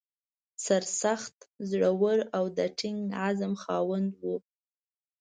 سرسخت، زړه ور او د ټینګ عزم خاوند و.